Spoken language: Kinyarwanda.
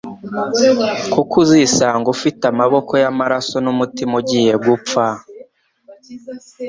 kuko uzisanga ufite amaboko yamaraso numutima ugiye gupfa